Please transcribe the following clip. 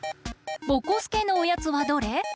ぼこすけのおやつはどれ？